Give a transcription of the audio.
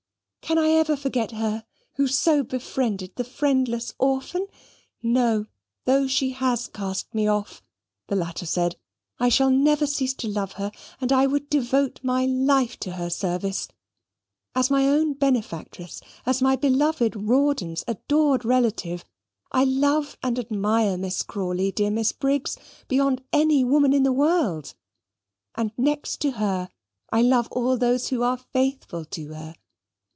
"Can I ever forget her who so befriended the friendless orphan? No, though she has cast me off," the latter said, "I shall never cease to love her, and I would devote my life to her service. As my own benefactress, as my beloved Rawdon's adored relative, I love and admire Miss Crawley, dear Miss Briggs, beyond any woman in the world, and next to her I love all those who are faithful to her.